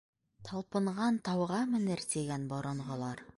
Талпынған тауға менер, тигән боронғолар.